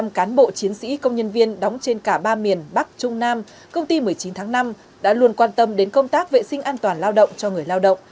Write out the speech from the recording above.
một trăm linh cán bộ chiến sĩ công nhân viên đóng trên cả ba miền bắc trung nam công ty một mươi chín tháng năm đã luôn quan tâm đến công tác vệ sinh an toàn lao động cho người lao động